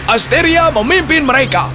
asteria memimpin mereka